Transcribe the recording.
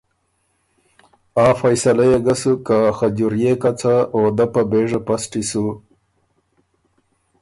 آ فیصلۀ يې ګۀ سُک که خجورئے کڅه او دۀ په بېژه پسټی سُو